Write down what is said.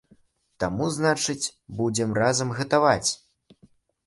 Таму, значыць, будзем разам гатаваць.